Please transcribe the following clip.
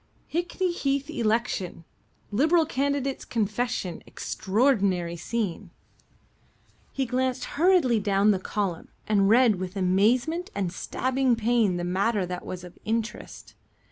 "Hickney Heath Election. Liberal Candidate's Confession. Extraordinary Scene." He glanced hurriedly down the column and read with amazement and stabbing pain the matter that was of interest.